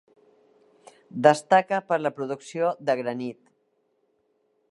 Destaca per la producció de granit.